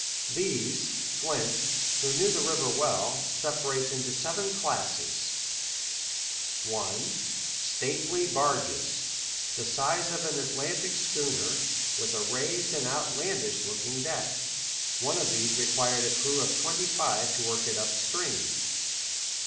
These, Flint, who knew the river well, separates into seven classes: (1) "Stately barges," the size of an Atlantic schooner, with "a raised and outlandish looking deck;" one of these required a crew of twenty five to work it up stream.